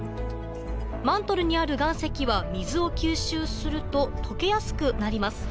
マントルにある岩石は水を吸収すると溶けやすくなります